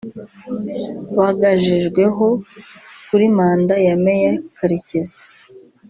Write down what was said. bagajejweho kuri manda ya Meya Karekezi